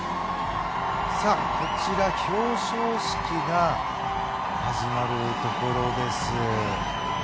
表彰式が始まるところです。